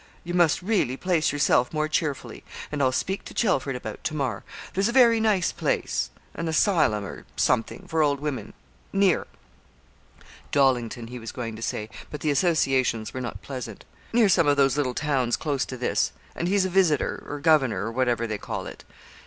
You must really place yourself more cheerfully, and I'll speak to Chelford about Tamar. There's a very nice place an asylum, or something, for old women near (Dollington he was going to say, but the associations were not pleasant) near some of those little towns close to this, and he's a visitor, or governor, or whatever they call it.